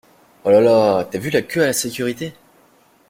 Holala, t'as vu la queue à la sécurité?!